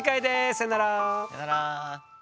さよなら。